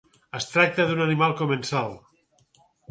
Es tracta d'un animal comensal.